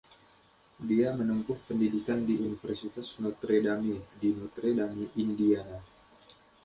Dia menempuh pendidikan di Universitas Notre Dame, di Notre Dame, Indiana.